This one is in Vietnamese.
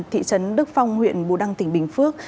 thị trấn đức phong huyện bù đăng tỉnh bình phước